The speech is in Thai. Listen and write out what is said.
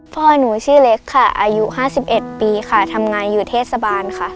พ่อหนูชื่อเล็กค่ะอายุ๕๑ปีค่ะทำงานอยู่เทศบาลค่ะ